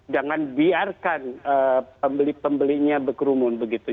jangan biarkan pembeli pembelinya pekerumun begitu